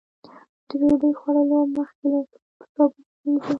د ډوډۍ خوړلو مخکې لاسونه په صابون ومينځئ.